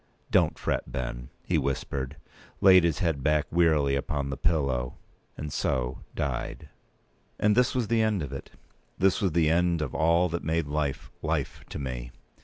"Don't fret, Ben," he whispered; laid his p. 206head back wearily upon the pillow—and so died. And this was the end of it. This was the end of all that made life life to me.